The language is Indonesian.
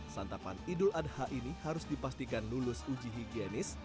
santapan idul adha ini harus dipastikan lulus uji higienis